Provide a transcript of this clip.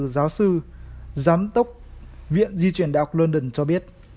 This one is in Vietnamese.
giám sư giám tốc viện di chuyển đại học london cho biết